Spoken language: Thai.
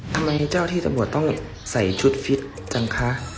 ทำไมเจ้าที่สะบวดต้องใส่ชุดฟิตจังคะ